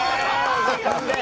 お時間です。